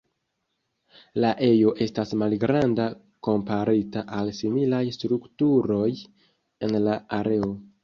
La ejo estas malgranda komparita al similaj strukturoj en la areo.